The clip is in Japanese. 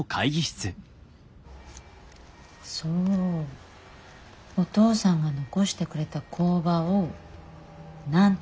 そうお父さんが残してくれた工場をなんとかしたかった。